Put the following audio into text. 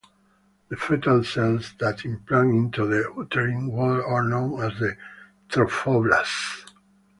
The fetal cells that implant into the uterine wall are known as the trophoblast.